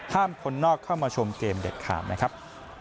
คนนอกเข้ามาชมเกมเด็ดขาดนะครับ